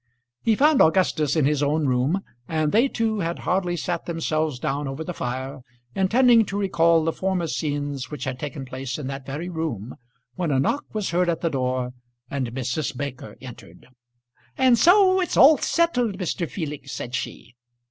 He found Augustus in his own room, and they two had hardly sat themselves down over the fire, intending to recall the former scenes which had taken place in that very room, when a knock was heard at the door, and Mrs. Baker entered. "And so it's all settled, Mr. Felix," said she.